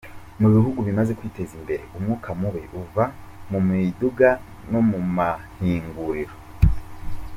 Mu bihugu bimaze kwitez'imbere, umwuka mubi uva mu miduga no mu mahinguriro.